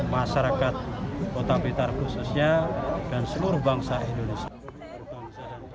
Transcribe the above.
masyarakat kota blitar khususnya dan seluruh bangsa indonesia